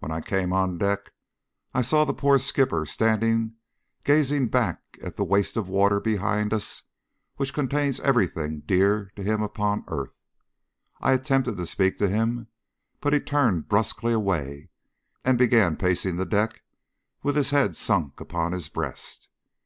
When I came on deck I saw the poor skipper standing gazing back at the waste of waters behind us which contains everything dear to him upon earth. I attempted to speak to him, but he turned brusquely away, and began pacing the deck with his head sunk upon his breast.